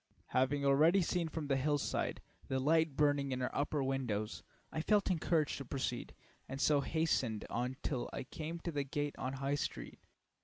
Having already seen from the hillside the light burning in her upper windows, I felt encouraged to proceed, and so hastened on till I came to the gate on High Street.